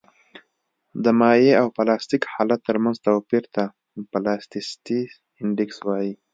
د مایع او پلاستیک حالت ترمنځ توپیر ته پلاستیسیتي انډیکس وایي